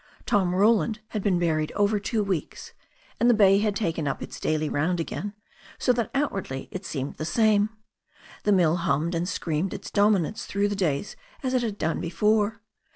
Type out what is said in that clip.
Tom Roland had b^en buried over two weeks, and the bay had taken up its daily round again, so that outwardly it seemed the same. The mill hummed and screamed its dominance through the days as it had done before.